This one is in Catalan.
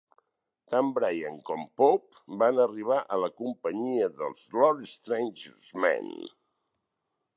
Tant Bryan com Pope van arribar a la companyia dels Lord Strange's Men.